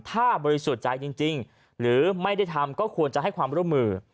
ถ้าบริสุทธิ์ใจจริงหรือไม่ได้ทำก็ควรจะให้ความร่วมมือ